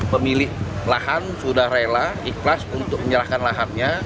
pemilik lahan sudah rela ikhlas untuk menyerahkan lahannya